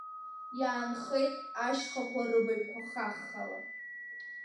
Иаанхеит ашьхақәа рыбаҩқәа хаххала.